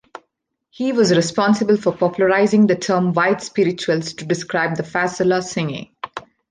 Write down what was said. He was responsible for popularizing the term "white spirituals" to describe the "fasola" singing.